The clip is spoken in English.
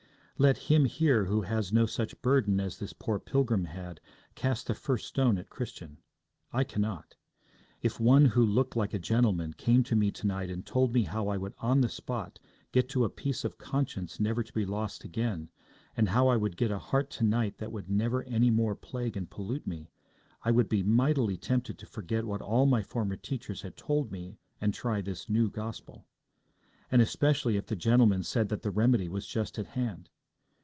Let him here who has no such burden as this poor pilgrim had cast the first stone at Christian; I cannot. If one who looked like a gentleman came to me to night and told me how I would on the spot get to a peace of conscience never to be lost again, and how I would get a heart to night that would never any more plague and pollute me, I would be mightily tempted to forget what all my former teachers had told me and try this new Gospel. And especially if the gentleman said that the remedy was just at hand.